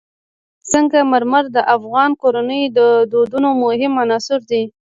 سنگ مرمر د افغان کورنیو د دودونو مهم عنصر دی.